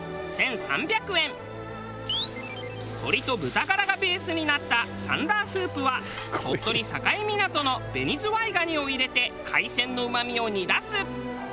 鶏と豚ガラがベースになったサンラースープは鳥取境港の紅ズワイガニを入れて海鮮のうまみを煮出す。